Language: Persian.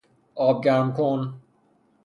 آب گرم کن